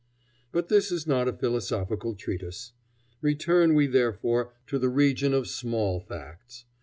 But this is not a philosophical treatise. Return we therefore to the region of small facts.